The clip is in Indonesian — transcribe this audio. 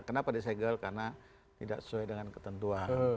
kenapa disegel karena tidak sesuai dengan ketentuan